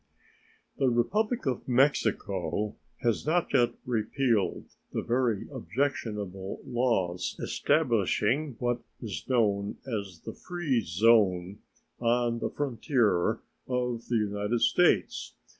The Republic of Mexico has not yet repealed the very objectionable laws establishing what is known as the "free zone" on the frontier of the United States.